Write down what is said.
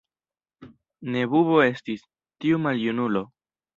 Ne bubo estis, tiu maljunulo.